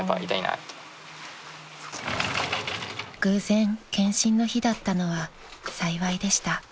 ［偶然健診の日だったのは幸いでした］